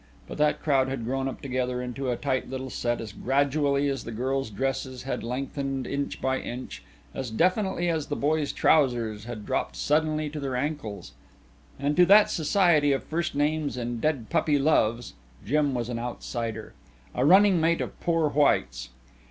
But that crowd had grown up together into a tight little set as gradually as the girls' dresses had lengthened inch by inch, as definitely as the boys' trousers had dropped suddenly to their ankles. And to that society of first names and dead puppy loves Jim was an outsider a running mate of poor whites.